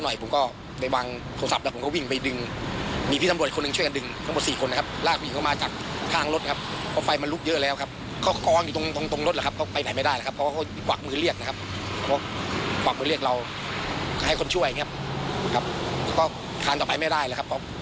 อยากช่วยเขาก็คานต่อไปไม่ได้แล้ว